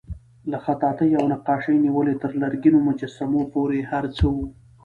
له خطاطۍ او نقاشۍ نیولې تر لرګینو مجسمو پورې هر څه وو.